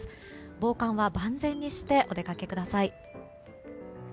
防寒は万全にしてお出かけください。